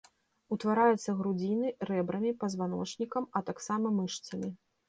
Утвараецца грудзінай, рэбрамі, пазваночнікам, а таксама мышцамі.